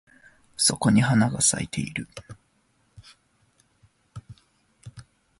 そこに花が咲いてる